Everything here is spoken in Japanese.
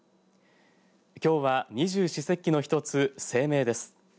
きょうは二十四節気の一つ清明です。